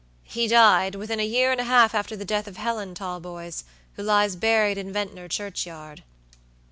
"He died, within a year and a half after the death of Helen Talboys, who lies buried in Ventnor churchyard."